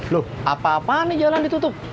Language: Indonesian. lu apa apaan nih jalan ditutup